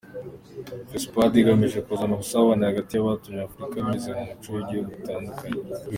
Fespad igamije kuzana ubusabane hagati y’abatuye Afurika binyuze mu muco w’ibihugu bitandukanye.